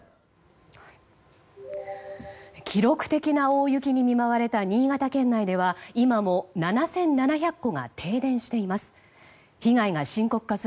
記録的な大雪に見舞われた新潟県内では今も７７００戸が停電しています。